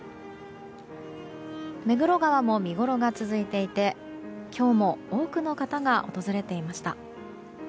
目黒川も見ごろが続いていて今日も多くの方が訪れていました。